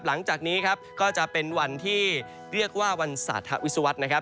หลังจากนี้ครับก็จะเป็นวันที่เรียกว่าวันสาธวิศวรรษนะครับ